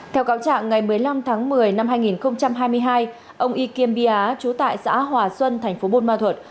theo cáo trạng ngày một mươi năm tháng một mươi năm hai nghìn hai mươi hai ông y kiêm bia chú tại xã hòa xuân thành phố buôn ma thuật